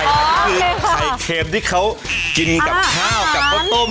คือไข่เค็มที่เขากินกับข้าวกับข้าวต้ม